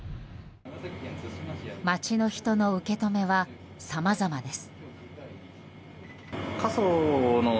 町の人の受け止めはさまざまです。